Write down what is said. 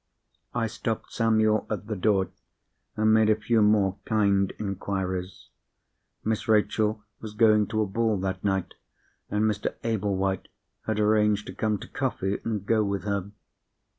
I stopped Samuel at the door, and made a few more kind inquiries. Miss Rachel was going to a ball that night, and Mr. Ablewhite had arranged to come to coffee, and go with her.